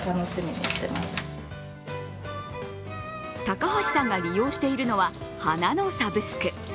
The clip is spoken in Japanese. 高橋さんが利用しているのは花のサブスク。